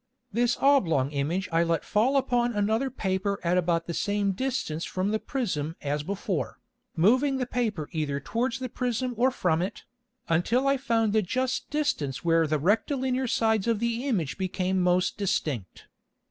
This oblong Image I let fall upon another Paper at about the same distance from the Prism as before, moving the Paper either towards the Prism or from it, until I found the just distance where the Rectilinear Sides of the Image became most distinct.